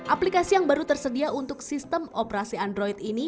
aplikasi yang baru tersedia untuk sistem operasi android ini